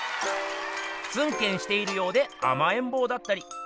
ツンケンしているようであまえんぼうだったり。